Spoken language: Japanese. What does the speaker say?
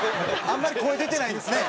あんまり声出てないですね。